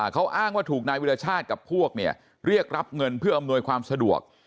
เขาอ้างว่าถูกนายวิรชาติกับพวกเนี่ยเรียกรับเงินเพื่ออำนวยความสะดวก